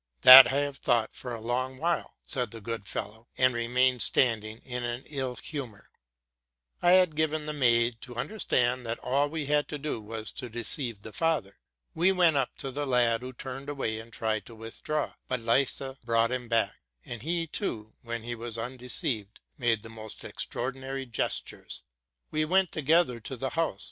''—'* That I have thought for a long while,"' said the good fellow, and remained standing i in an ill humor. I had given the maid to understand that all we had to do was to deceive the father. We went up to the lad, who turned away and tried to withdraw: but Liese brought him back ; and he, too, when he was undeceived, made the most extraordinary gestures. We went together to the house.